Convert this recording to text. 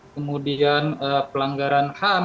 kemudian pelanggaran hak